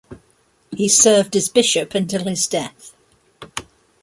He served as bishop until his death.